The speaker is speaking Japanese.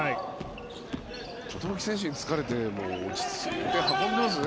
轟選手につかれても落ち着いて運んでいますよね